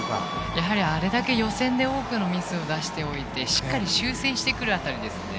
やはり、あれだけ予選で多くのミスを出しておいてしっかり修正してくる辺りですね。